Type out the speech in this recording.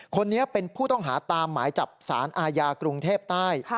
คนนี้เป็นผู้ต้องหาตามหมายจับสารอาญากรุงเทพใต้